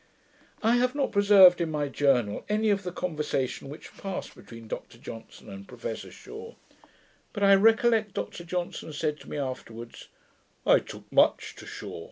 I have not preserved, in my Journal, any of the conversation which passed between Dr Johnson and Professor Shaw; but I recollect Dr Johnson said to me afterwards, 'I took much to Shaw.'